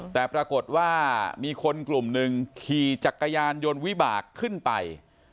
แต่ปรากฏว่ามีคนกลุ่มหนึ่งขี่จักรยานยนต์วิบากขึ้นไป